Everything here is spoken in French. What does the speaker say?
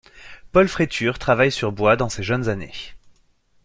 Pol Fraiture travaille sur bois dans ses jeunes années.